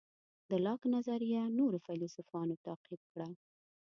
د لاک نظریه نورو فیلیسوفانو تعقیب کړه.